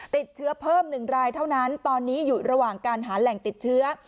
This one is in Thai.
ติดเชื้อเพิ่ม๑รายเท่านั้นตอนนี้อยู่ระหว่างการหาแหล่งติดเชื้อ